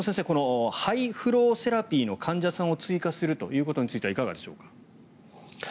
このハイフローセラピーの患者さんを追加するということについてはいかがでしょうか。